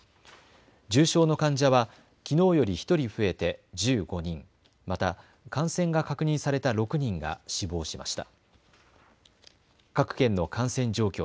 重症の患者はきのうより１人増えて１５人、また感染が確認された６人が死亡しました。